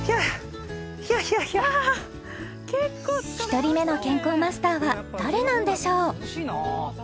［１人目の健康マスターは誰なんでしょう？］